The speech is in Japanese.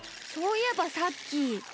そういえばさっき。